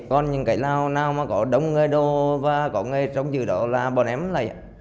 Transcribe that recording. còn những cái nào mà có đông người đồ và có người trống chữ đó là bọn em lấy